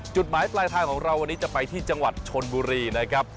จุดหมายปลายทางของเราวันนี้จะไปที่จังหวัดชนบุรีนะครับ